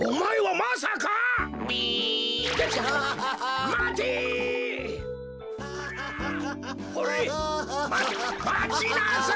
まちなさい。